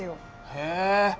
へえ。